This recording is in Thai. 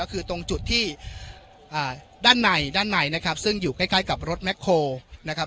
ก็คือตรงจุดที่ด้านในด้านในนะครับซึ่งอยู่ใกล้ใกล้กับรถแคลนะครับ